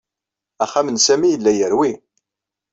Axxam n Sami yella yerwi.